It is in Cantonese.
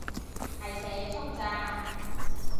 係社畜咋